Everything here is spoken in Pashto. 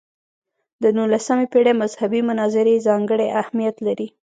د نولسمې پېړۍ مذهبي مناظرې ځانګړی اهمیت لري.